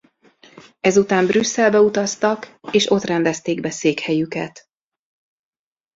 Ezután Brüsszelbe utaztak és ott rendezték be székhelyüket.